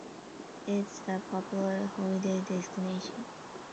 It is a popular holiday destination.